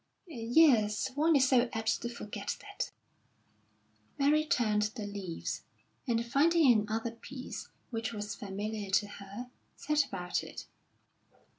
"Yes, one is so apt to forget that." Mary turned the leaves, and finding another piece which was familiar to her, set about it.